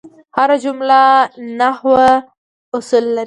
هره جمله نحوي اصول لري.